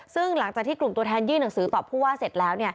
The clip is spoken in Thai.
ซึ่งหลังจากที่กลุ่มตัวแทนยื่นหนังสือตอบผู้ว่าเสร็จแล้ว